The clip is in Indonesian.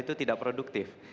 itu tidak produktif